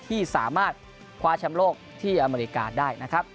ที่สามารถคว้าแชมป์โลกที่อเมริกาได้นะครับ